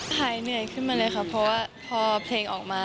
หายเหนื่อยขึ้นมาเลยค่ะเพราะว่าพอเพลงออกมา